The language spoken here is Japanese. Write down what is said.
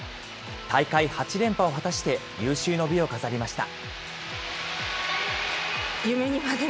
大会８連覇を果たして有終の美を飾りました。